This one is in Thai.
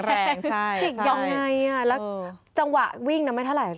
กลิ่งยังไงแล้วจังหวะวิ่งน้ำไม่เท่าไร